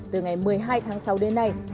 từ ngày một mươi hai tháng sáu đến nay